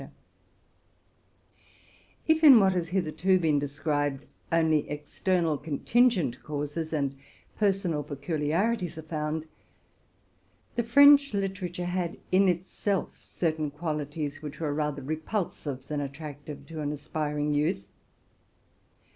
If, in what has hitherto been described, only external con tingent causes and personal peculiarities are found, the French literature had in itself certain qualities which were rather repulsive than attractive to an aspiring youth.